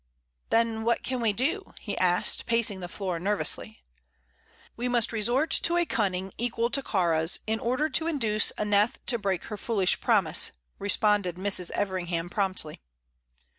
"Then what can we do?" he asked, pacing the floor nervously. "We must resort to a cunning equal to Kāra's in order to induce Aneth to break her foolish promise," responded Mrs. Everingham, promptly.